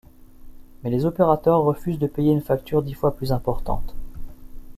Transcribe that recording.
Mais les opérateurs refusent de payer une facture dix fois plus importante.